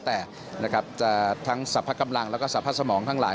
แต่ทั้งศพกำลังแล้วก็ศพสมองทั้งหลาย